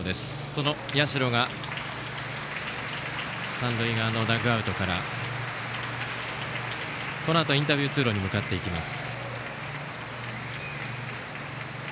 その社が三塁側のダグアウトからこのあとインタビュー通路に向かっていきます。